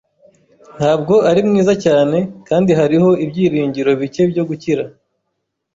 Ntabwo ari mwiza cyane, kandi hariho ibyiringiro bike byo gukira.